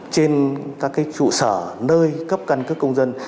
trên các trụ sở nơi cấp căn cước công dân